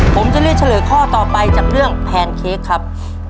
ผมจะเลือกเฉลยข้อต่อไปจากเรื่องแพนเค้กครับ